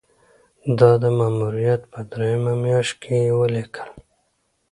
دا د ماموریت په دریمه میاشت کې یې ولیکل.